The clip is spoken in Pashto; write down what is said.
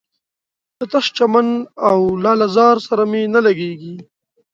له تش چمن او لاله زار سره مي نه لګیږي